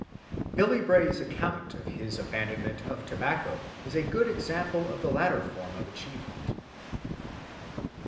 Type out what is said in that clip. Billy Bray's account of his abandonment of tobacco is a good example of the latter form of achievement.